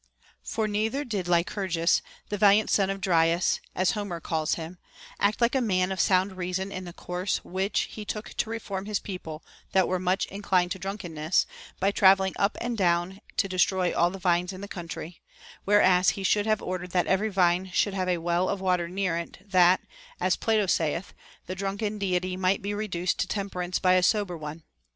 For neither did Lycurgus, the valiant son of Dryas (as Homer* calls him) act like a man of sound reason in the course which he took to reform his people that were much inclined to drunkenness, by travelling up and down to de stroy all the vines in the country ; whereas he should have ordered that every vine should have a well of water near it, that (as Plato saith) the drunken deity might be reduced to temperance by a sober one.